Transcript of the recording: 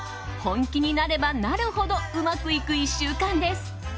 本気になればなるほどうまくいく１週間です。